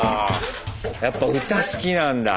やっぱ歌好きなんだ。